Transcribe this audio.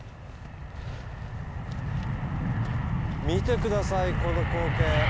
見て下さいこの光景。